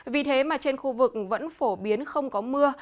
vì thế mà trên khu vực vẫn phổ biến không có mưa